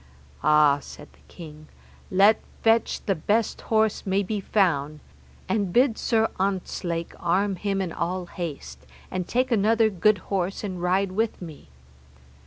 Ah, said the king, let fetch the best horse may be found, and bid Sir Ontzlake arm him in all haste, and take another good horse and ride with me.